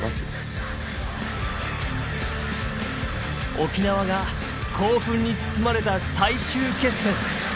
沖縄が興奮に包まれた最終決戦。